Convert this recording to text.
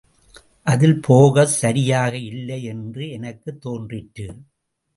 அதில் போகஸ் சரியாக இல்லை என்று எனக்குத் தோன்றிற்று.